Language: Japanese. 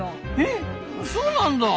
えっそうなんだ！